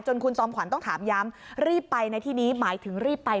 คุณจอมขวัญต้องถามย้ำรีบไปในที่นี้หมายถึงรีบไป